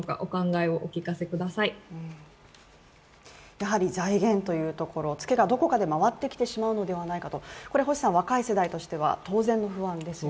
やはり財源というところ、ツケがどこかで回ってきてしまうのではないかと星さん、若い世代としては当然の不安ですね。